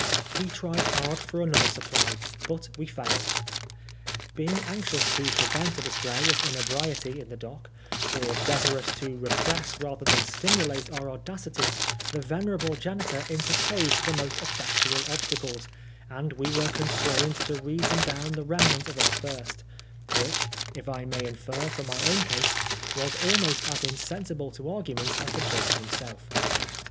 We tried hard for another supply, but we failed. Being anxious to prevent a display of inebriety in the dock, or desirous to repress rather than stimulate our audacity, the venerable janitor interposed the most effectual obstacles, and we were constrained to reason down the remnant of our thirst, which, if I may infer from my own case, was almost as insensible to argu ment as the judge himself.